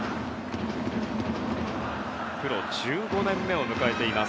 プロ１５年目を迎えています